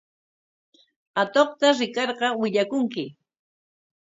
Atuqta rikarqa willakunki.